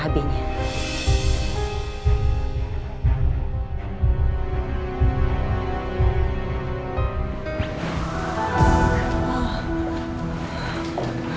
ketika kecil kecilnya kecil